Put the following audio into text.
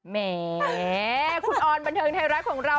แหมคุณออนบันเทิงไทยรัฐของเรา